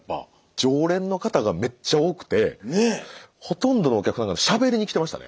常連の方がめっちゃ多くてほとんどのお客さんがしゃべりに来てましたね。